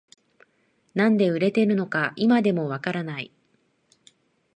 なんで売れてるのか今でもわからない